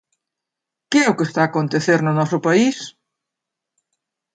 ¿Que é o que está a acontecer no noso país?